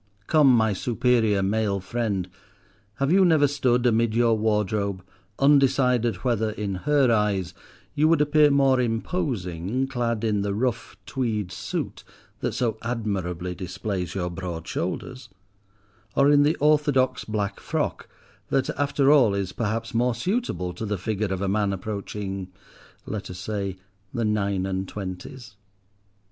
Come, my superior male friend, have you never stood, amid your wardrobe, undecided whether, in her eyes, you would appear more imposing, clad in the rough tweed suit that so admirably displays your broad shoulders; or in the orthodox black frock, that, after all, is perhaps more suitable to the figure of a man approaching—let us say, the nine and twenties?